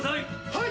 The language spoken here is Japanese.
はい！